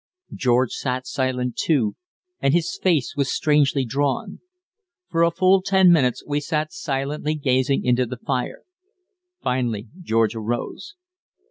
George sat silent, too, and his face was strangely drawn. For a full ten minutes we sat silently gazing into the fire. Finally George arose.